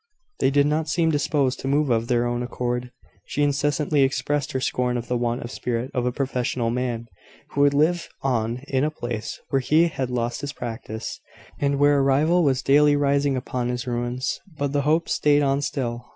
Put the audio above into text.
They did not seem disposed to move of their own accord. She incessantly expressed her scorn of the want of spirit of a professional man who would live on in a place where he had lost his practice, and where a rival was daily rising upon his ruins: but the Hopes staid on still.